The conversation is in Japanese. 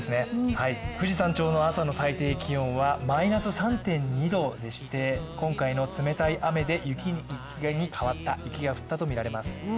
富士山頂の朝の最低気温は、マイナス３．２度でして今回の冷たい雨が雪に変わったと思われます。